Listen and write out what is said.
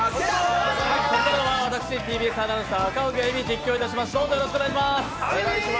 ここからは私、ＴＢＳアナウンサー・赤荻が実況いたします。